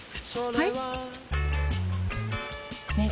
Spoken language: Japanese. はい！